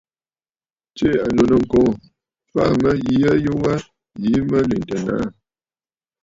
Tsiʼì ànnù nɨ̂ŋkoŋ, faà mə̀ yə yu wa yìi mə lèntə nàâ.